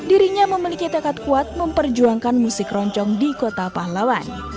dirinya memiliki tekad kuat memperjuangkan musik keroncong di kota pahlawan